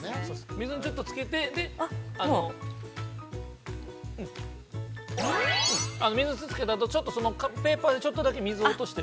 水に漬けて、水につけたあと、ペーパーで、ちょっとだけ水を落として。